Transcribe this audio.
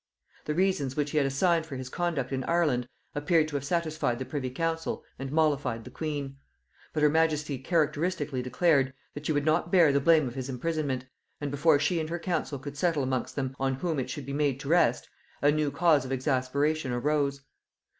The reasons which he had assigned for his conduct in Ireland appeared to have satisfied the privy council and mollified the queen. But her majesty characteristically declared, that she would not bear the blame of his imprisonment; and before she and her council could settle amongst them on whom it should be made to rest, a new cause of exasperation arose.